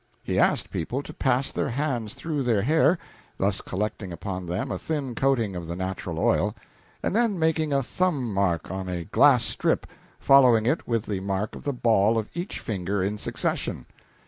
He asked people to pass their hands through their hair (thus collecting upon them a thin coating of the natural oil) and then make a thumb mark on a glass strip, following it with the mark of the ball of each finger in succession.